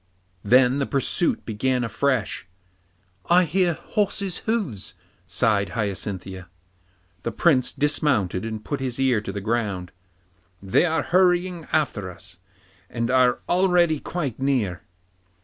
Then the pursuit began afresh. 'I hear horses' hoofs,' sighed Hyacinthia. The Prince dismounted and put his ear to the ground. 'They are hurrying after us, and are already quite near.